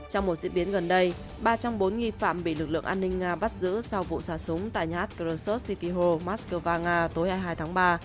trong một diễn biến gần đây ba trong bốn nghi phạm bị lực lượng an ninh nga bắt giữ sau vụ xả súng tại nhát krasov city hall moscow nga tối hai mươi hai tháng ba